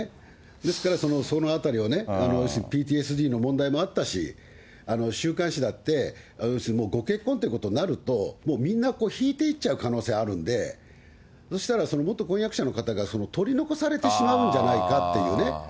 ですから、そのあたりをね、要するに、ＰＴＳＤの問題もあったし、週刊誌だって、要するにご結婚ということになると、もうみんな、引いていっちゃう可能性あるんで、そしたら元婚約者の方が、取り残されてしまうんじゃないかというね。